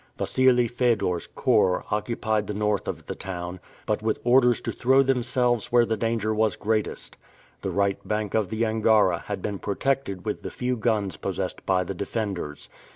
Wassili Fedor's corps occupied the North of the town, but with orders to throw themselves where the danger was greatest. The right bank of the Angara had been protected with the few guns possessed by the defenders.